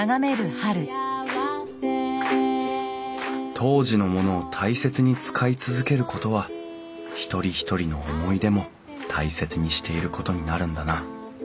当時のものを大切に使い続けることは一人一人の思い出も大切にしていることになるんだな